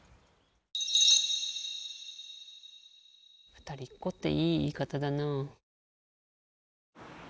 ふたりっこっていい言い方だなあ。